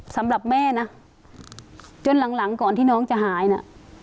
สำหรับแม่นะจนหลังก่อนที่น้องจะหายนะ